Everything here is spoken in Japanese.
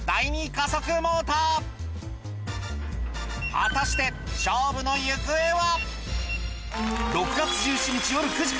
果たして勝負の行方は？